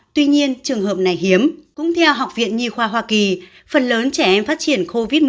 tuy nhiên trường hợp này hiếm cũng theo học viện nhi khoa hoa kỳ phần lớn trẻ em phát triển covid một mươi chín